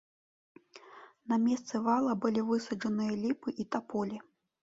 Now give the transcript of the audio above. На месцы вала былі высаджаныя ліпы і таполі.